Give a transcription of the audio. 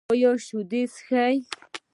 ایا شیدې څښئ؟